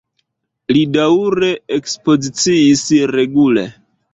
Li daŭre ekspoziciis regule.